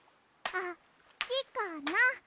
あっちかな？